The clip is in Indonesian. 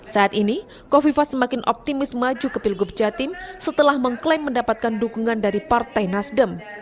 saat ini kofifa semakin optimis maju ke pilgub jatim setelah mengklaim mendapatkan dukungan dari partai nasdem